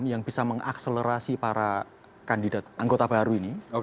yang bisa mengakselerasi para kandidat anggota baru ini